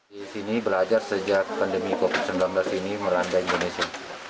di sini belajar sejak pandemi covid sembilan belas ini melanda indonesia